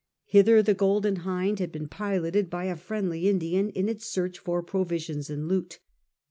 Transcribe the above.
Hither the Golden, Hind had been piloted by a friendly Indian in its search for pro visions and loot.